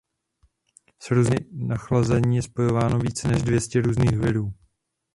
S různými typy nachlazení je spojováno více než dvě stě různých virů.